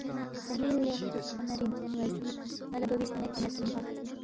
صحیح اِن لے خچسپا نہ رِنگچنی وزیر، ن٘ا لہ دو بی سنان٘ے کھوانگ میدپی اِنپا